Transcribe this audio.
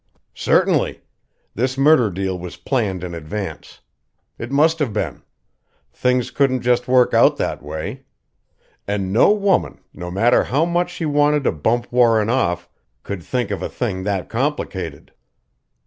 "Certainly. This murder deal was planned in advance. It must have been. Things couldn't just work out that way. And no woman, no matter how much she wanted to bump Warren off, could think of a thing that complicated.